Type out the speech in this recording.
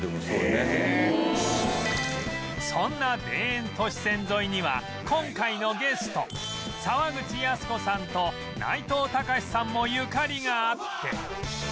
そんな田園都市線沿いには今回のゲスト沢口靖子さんと内藤剛志さんもゆかりがあって